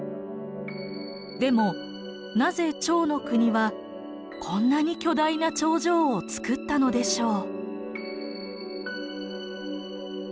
でもなぜ趙の国はこんなに巨大な長城をつくったのでしょう？